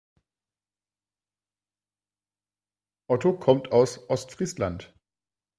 Otto kommt aus Ostfriesland.